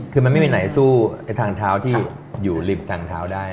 คือมันไม่มีไหนสู้ไอ้ทางเท้าที่อยู่ริมทางเท้าได้